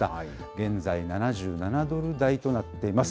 現在７７ドル台となっています。